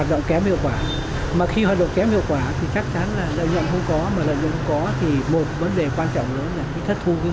thì trong cái cảnh đó mà các hãng hàng không có kém về quả thì trước hay sau họ sẽ bị phá sản